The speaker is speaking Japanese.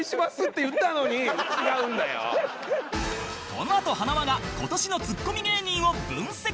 このあと塙が今年のツッコミ芸人を分析